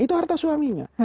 itu harta suaminya